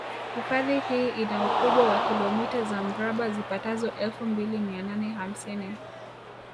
Hifadhi hii ina ukubwa wa kilometa za mraba zipatazo elfu mbili mia nane hamsini